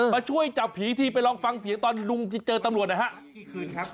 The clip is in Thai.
มาช่วยจับผีทีไปลองฟังเสียงตอนลุงเจอตำรวจหน่อยฮะ